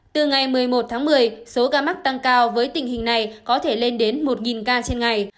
từ ngày một mươi một tháng một mươi số ca mắc tăng cao với tình hình này có thể lên đến một ca trên ngày